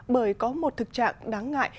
bởi có một thực trạng đáng ngại